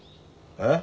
えっ？